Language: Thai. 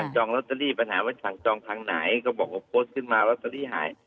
จองลอตเตอรี่ปัญหาว่าสั่งจองทางไหนก็บอกว่าโพสต์ขึ้นมาลอตเตอรี่หาย